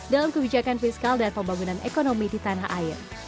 dalam kebijakan fiskal dan pembangunan ekonomi di tanah air